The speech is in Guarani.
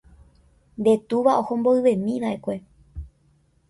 nde túva oho mboyvemiva'ekue.